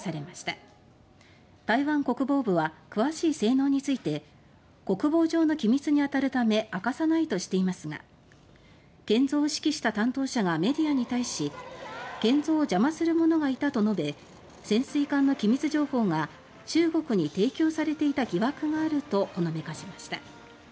台湾国防部は詳しい性能について「国防上の機密にあたるため明かさない」としていますが建造を指揮した担当者がメディアに対し「建造を邪魔する者がいた」と述べ潜水艦の機密情報が中国に提供されていた疑惑があるとほのめかしました。